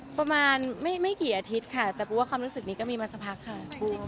ประมาณไม่กี่อาทิตย์ค่ะแต่ปูว่าความรู้สึกนี้ก็มีมาสักพักค่ะ